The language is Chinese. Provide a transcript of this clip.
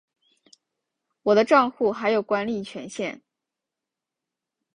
我的帐户还有管理权限